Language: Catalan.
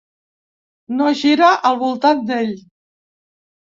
No gira al voltant d’ell.